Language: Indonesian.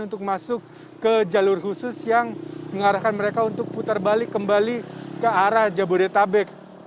untuk masuk ke jalur khusus yang mengarahkan mereka untuk putar balik kembali ke arah jabodetabek